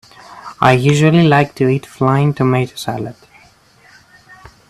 I usually like to eat flying tomato salad.